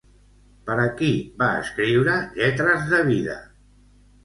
Per a qui va escriure Lletres de Vida?